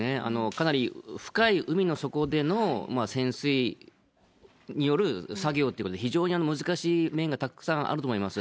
かなり深い海の底での潜水による作業ということで、非常に難しい面がたくさんあると思います。